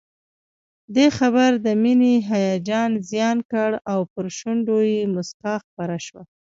دې خبر د مينې هيجان زيات کړ او پر شونډو يې مسکا خپره شوه